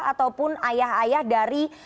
ataupun ayah ayah dari